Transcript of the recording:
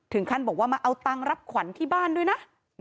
ท่านบอกว่ามาเอาตังค์รับขวัญที่บ้านด้วยนะ